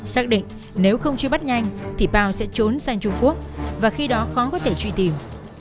xác định nếu không truy bắt nhanh thì bao sẽ trốn sang trung quốc và khi đó khó có thể truy tìm